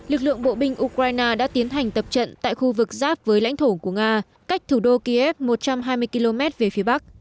lực lượng bộ binh ukraine đã tiến hành tập trận tại khu vực giáp với lãnh thổ của nga cách thủ đô kiev một trăm hai mươi km về phía bắc